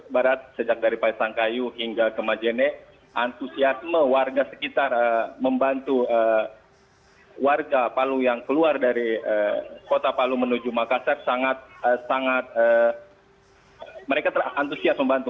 barat sejak dari pasangkayu hingga ke majene antusiasme warga sekitar membantu warga palu yang keluar dari kota palu menuju makassar sangat sangat mereka terantusias membantu